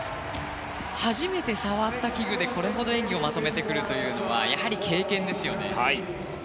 初めて触った器具でこれほど演技をまとめてくるのはやはり経験ですよね。